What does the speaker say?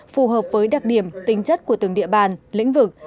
phù hợp với đặc điểm tính chất của từng địa bàn lĩnh vực